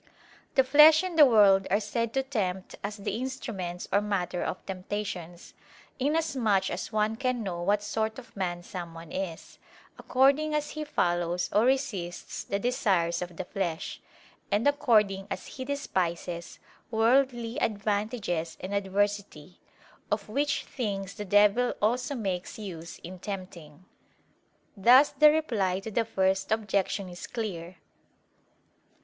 The flesh and the world are said to tempt as the instruments or matter of temptations; inasmuch as one can know what sort of man someone is, according as he follows or resists the desires of the flesh, and according as he despises worldly advantages and adversity: of which things the devil also makes use in tempting. Thus the reply to the first objection is clear.